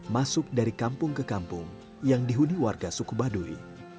masuk dari kampung ke kampung yang dihuni warga suku baduy